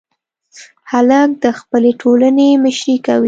هلک د خپلې ټولنې مشري کوي.